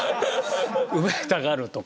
埋めたがるとか。